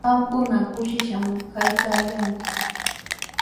Qamkuna kushishqami kaykaayanki.